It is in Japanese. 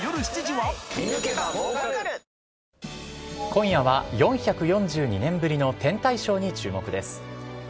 今夜は、４４２年ぶりの天体ショーに注目です。